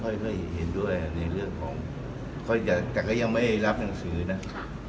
ค่อยเห็นด้วยในเรื่องของแต่ก็ยังไม่รับหนังสือนะ